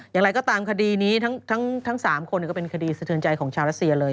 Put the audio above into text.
อย่างไรก็ตามคดีนี้ทั้ง๓คนก็เป็นคดีสะเทือนใจของชาวรัสเซียเลย